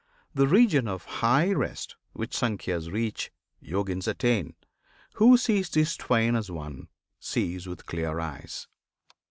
The region of high rest which Sankhyans reach Yogins attain. Who sees these twain as one Sees with clear eyes!